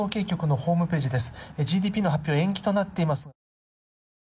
ＧＤＰの発表は延期となっています。